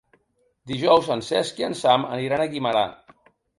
Dijous en Cesc i en Sam aniran a Guimerà.